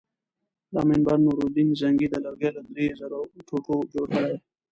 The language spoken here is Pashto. دا منبر نورالدین زنګي د لرګیو له درې زرو ټوټو جوړ کړی.